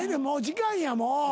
もう時間やもう。